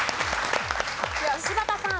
柴田さん。